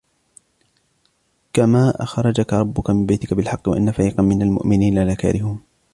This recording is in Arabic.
كَمَا أَخْرَجَكَ رَبُّكَ مِنْ بَيْتِكَ بِالْحَقِّ وَإِنَّ فَرِيقًا مِنَ الْمُؤْمِنِينَ لَكَارِهُونَ